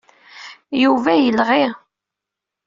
Yuba yelɣi.